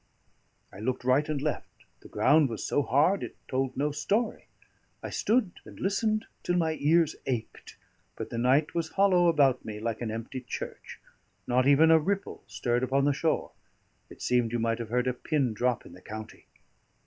I looked right and left; the ground was so hard, it told no story. I stood and listened till my ears ached, but the night was hollow about me like an empty church; not even a ripple stirred upon the shore; it seemed you might have heard a pin drop in the county.